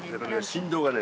振動がね